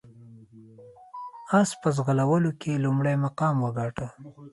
اس په ځغلولو کې لومړی مقام وګاټه.